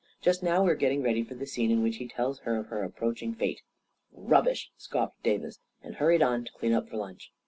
Just now we are getting ready for the scene in which he tells her of her approaching fate." " Rubbish !" scoffed Davis, and hurried on to clean up for lunch.